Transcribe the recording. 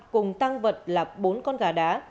cùng tăng vật là bốn con gà đá